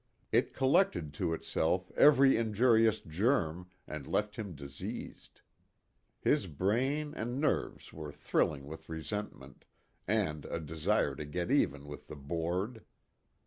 It collected to itself every injurious germ and left him diseased. His brain and nerves were thrilling with resentment, and a desire to get even with the "board."